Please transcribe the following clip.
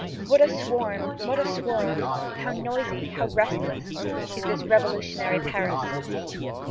What a swarm! what a swirl! How noisy, how restless, is this revolutionary Paris!